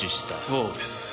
そうです。